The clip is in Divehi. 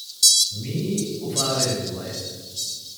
މިއީ އުފާވެރި ދުވަހެއް